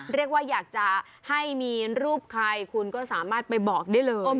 เรียกว่าอยากจะให้มีรูปใครคุณก็สามารถไปบอกได้เลย